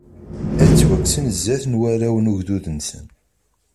Ad ttwakksen zdat n warraw n ugdud-nsen.